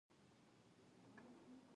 د بغلان د بورې فابریکه کله جوړه شوه؟